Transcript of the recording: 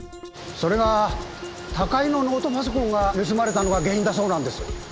それが高井のノートパソコンが盗まれたのが原因だそうなんです。